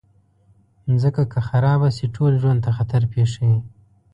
مځکه که خراب شي، ټول ژوند ته خطر پېښوي.